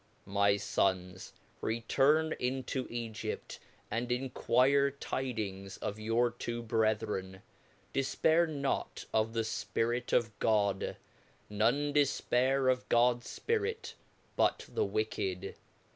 My Tons return into Egjpt^ and enquire tidings of your two brethren ; difpair not of the Spirit of God , none difpair of Cods Spirit, but the wicked.